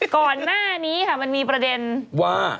ก่อนหน้านี้ค่ะมันมีประเด็นว่า